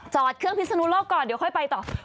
เครื่องพิศนุโลกก่อนเดี๋ยวค่อยไปต่อ